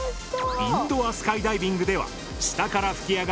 インドア・スカイダイビングでは下から難しそう！